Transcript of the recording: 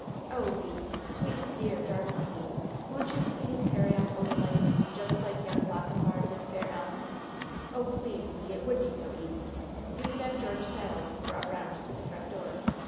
"Oh, Le! Sweet, dear, darling Le! won't you please carry off Odalite, just like Young Lochinvar did fair Ellen? Oh, please, Le! It would be so easy! You could have George saddled and brought round to the front door.